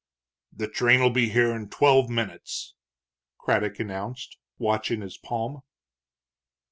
"The train'll be here in twelve minutes," Craddock announced, watch in his palm.